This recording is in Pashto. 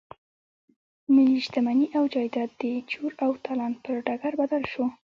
ملي شتمني او جايداد د چور او تالان پر ډګر بدل شو.